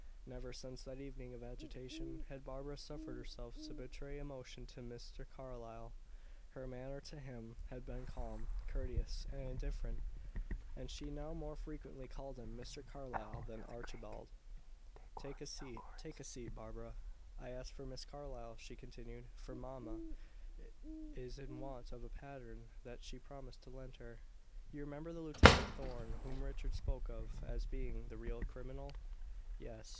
Never, since that evening of agitation, had Barbara suffered herself to betray emotion to Mr. Carlyle; her manner to him had been calm, courteous, and indifferent. And she now more frequently called him "Mr. Carlyle" than "Archibald." "Take a seat take a seat, Barbara." "I asked for Miss Carlyle," she continued, "for mamma is in want of a pattern that she promised to lend her. You remember the Lieutenant Thorn whom Richard spoke of as being the real criminal?" "Yes."